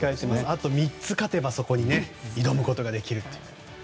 あと３つ勝てばそこに挑むことができる。